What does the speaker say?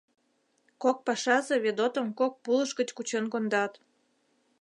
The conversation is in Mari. Кок пашазе Ведотым кок пулыш гыч кучен кондат.